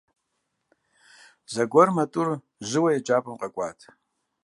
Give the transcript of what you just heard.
Зэгуэрым а тӏур жьыуэ еджапӏэм къэкӏуат.